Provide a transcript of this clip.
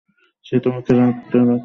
সে তোমাকে তার রক্ত দিয়েছে।